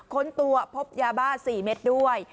ค้นตัวพบยาบ้า๔เม็ดด้วย